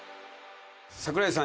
桜井さん